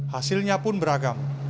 hasilnya pun beragam